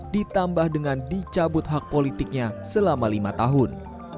ditambah dengan dicabut hak politiknya selama lima tahun